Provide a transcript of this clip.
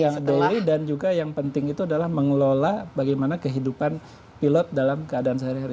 yang daily dan juga yang penting itu adalah mengelola bagaimana kehidupan pilot dalam keadaan sehari hari